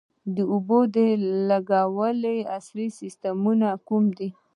د اوبو لګولو عصري سیستمونه کوم دي؟